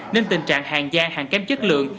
nên tình trạng hàng gia hàng kém chất lượng